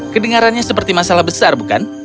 kedengarannya seperti masalah besar bukan